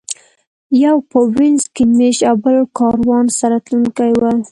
یو په وینز کې مېشت او بل کاروان سره تلونکی و.